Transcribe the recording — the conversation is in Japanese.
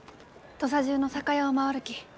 土佐中の酒屋を回るき。